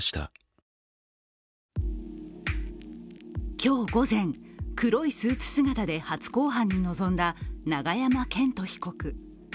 今日午前、黒いスーツ姿で初公判に臨んだ永山絢斗被告。